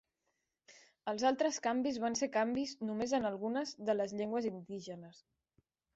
Els altres canvis van ser canvis només en algunes de les llengües indígenes.